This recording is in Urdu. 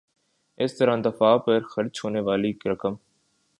اس طرح دفاع پر خرچ ہونے والی رقم